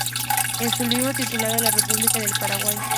En su libro titulado La República del Paraguay.